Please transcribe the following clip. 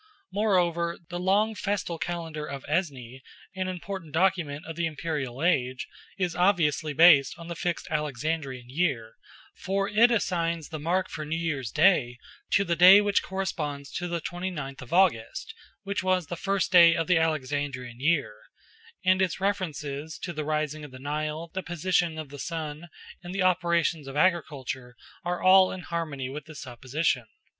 Moreover, the long festal calendar of Esne, an important document of the Imperial age, is obviously based on the fixed Alexandrian year; for it assigns the mark for New Year's Day to the day which corresponds to the twenty ninth of August, which was the first day of the Alexandrian year, and its references to the rising of the Nile, the position of the sun, and the operations of agriculture are all in harmony with this supposition.